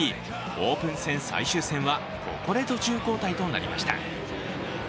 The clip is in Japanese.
オープン戦最終戦はここで途中交代となりました。